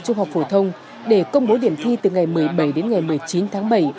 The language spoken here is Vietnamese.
trung học phổ thông để công bố điểm thi từ ngày một mươi bảy đến ngày một mươi chín tháng bảy